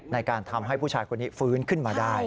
ในการทำให้ผู้ชายคนนี้ฟื้นขึ้นมาได้